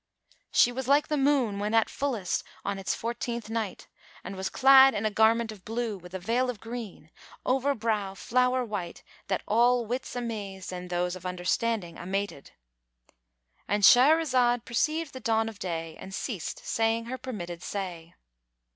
She was like the moon when at fullest on its fourteenth night, and was clad in a garment of blue, with a veil of green, over brow flower white that all wits amazed and those of understanding amated.—And Shahrazad perceived the dawn of day and ceased saying her permitted say.